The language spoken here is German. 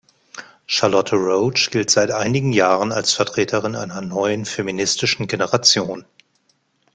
Charlotte Roche gilt seit einigen Jahren als Vertreterin einer neuen feministischen Generation.